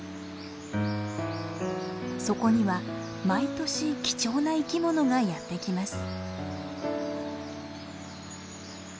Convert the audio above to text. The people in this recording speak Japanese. そこには毎年貴重な生きものがやって来ます。